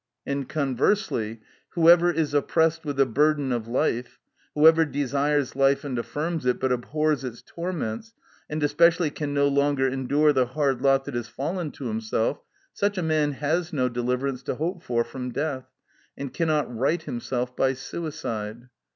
(66) And conversely, whoever is oppressed with the burden of life, whoever desires life and affirms it, but abhors its torments, and especially can no longer endure the hard lot that has fallen to himself, such a man has no deliverance to hope for from death, and cannot right himself by suicide.